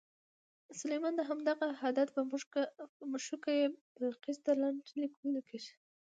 سلیمان د همدغه هدهد په مښوکه کې بلقیس ته لنډ لیک ولېږه.